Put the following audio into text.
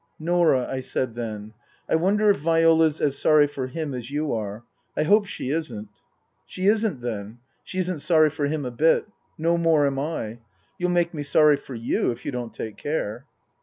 " Norah," I said then, " I wonder if Viola's as sorry for him as you are. I hope she isn't." " She isn't, then. She isn't sorry for him a bit. No more am I. You'll make me sorry for you if you don't take care."